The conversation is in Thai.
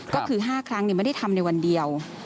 ก็คือ๕ครั้งไม่ได้ทำในวันเดียว